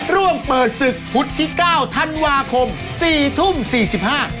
ร่วงเปิดศึกพุธที่๙ธันวาคม๔ทุ่ม๔๔น